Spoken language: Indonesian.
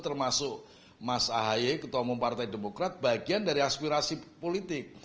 termasuk mas ahaye ketua umum partai demokrat bagian dari aspirasi politik